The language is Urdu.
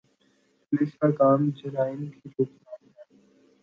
پولیس کا کام جرائم کی روک تھام ہے۔